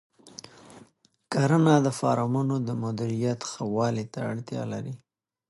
کرنه د فارمونو د مدیریت ښه والي ته اړتیا لري.